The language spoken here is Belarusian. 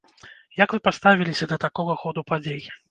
Як вы паставіліся да такога ходу падзей?